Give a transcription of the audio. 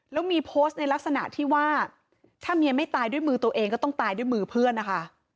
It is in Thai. แล้วมีโพสต์ในลักษณะที่ว่าถ้าเมียไม่ตายด้วยมือตัวเองก็ต้องตายด้วยมือเพื่อนนะคะ